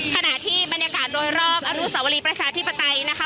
ขณะที่บรรยากาศโดยรอบอนุสาวรีประชาธิปไตยนะคะ